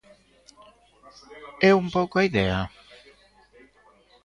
É un pouco a idea?